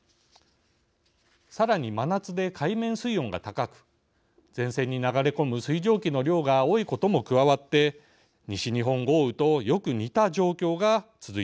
さらに真夏で海面水温が高く前線に流れ込む水蒸気の量が多いことも加わって西日本豪雨とよく似た状況が続いています。